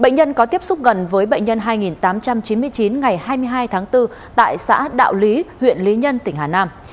bệnh nhân có tiếp xúc gần với bệnh nhân hai tám trăm chín mươi chín ngày hai mươi hai tháng bốn tại xã đạo lý huyện lý nhân tỉnh hà nam